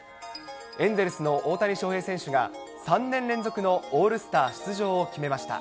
エンゼルスの大谷翔平選手が、３年連続のオールスター出場を決めました。